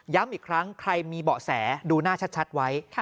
อีกครั้งใครมีเบาะแสดูหน้าชัดไว้